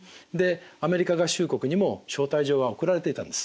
でアメリカ合衆国にも招待状は送られていた